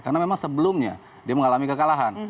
karena memang sebelumnya dia mengalami kekalahan